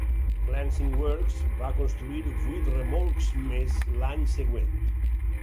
Lancing Works va construir vuit remolcs més l'any següent.